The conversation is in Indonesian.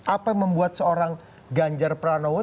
apa yang membuat seorang ganjar pranowo